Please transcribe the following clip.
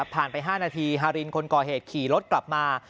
ไป๕นาทีฮารินคนก่อเหตุขี่รถกลับมา